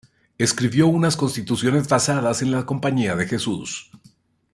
Escribió unas constituciones basadas en las de la Compañía de Jesús.